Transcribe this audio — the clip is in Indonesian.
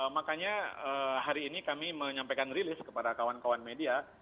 makanya hari ini kami menyampaikan rilis kepada kawan kawan media